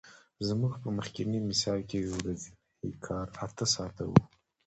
زموږ په مخکیني مثال کې ورځنی کار اته ساعته وو